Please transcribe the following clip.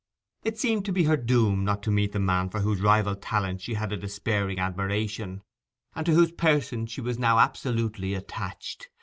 It seemed to be her doom not to meet the man for whose rival talent she had a despairing admiration, and to whose person she was now absolutely attached.